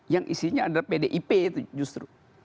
yang isinya adalah pdip itu justru